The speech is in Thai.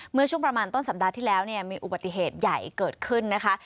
เมื่อช่วงประมาณต้นสัปดาห์ที่แล้วเนี่ยมีอุบัติเหตุใหญ่เกิดขึ้นนะคะ